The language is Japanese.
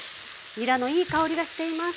にらのいい香りがしています。